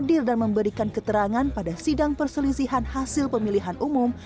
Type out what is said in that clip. hadir dan memberikan keterangan pada sidang perselisihan hasil pemilihan umum